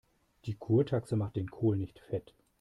Die Kurtaxe macht den Kohl nicht fett.